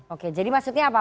oke jadi maksudnya apa